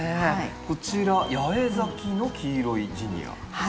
こちら八重咲きの黄色いジニアですかね。